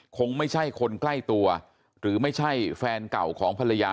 คงไม่ใช่คนใกล้ตัวหรือไม่ใช่แฟนเก่าของภรรยา